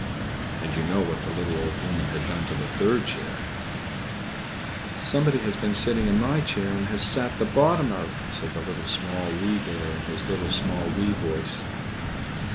And you know what the little Old Woman had done to the third chair. "=Somebody has been sitting in my chair and has sat the bottom out!=" said the Little, Small, Wee Bear, in his little, small, wee voice.